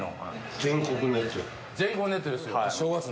全国ネットですよ、正月の。